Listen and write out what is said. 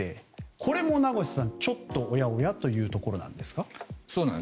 これも名越さん、ちょっとおやおや？というところですか？